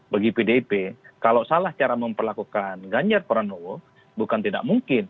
bagi pdip kalau salah cara memperlakukan ganjar pranowo bukan tidak mungkin